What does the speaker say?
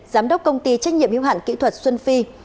giám đốc công ty trách nhiệm hữu hạn kỹ thuật xuân phi